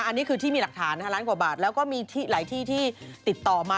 อันนี้คือที่มีหลักฐานล้านกว่าบาทแล้วก็มีหลายที่ที่ติดต่อมา